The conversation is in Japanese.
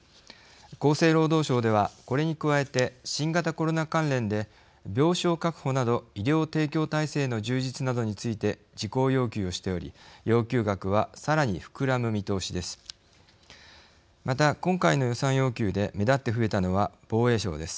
厚生労働省ではこれに加えて新型コロナ関連で病床確保など医療提供体制への充実などについて事項要求をしており要求額はさらに膨らむ見通しです。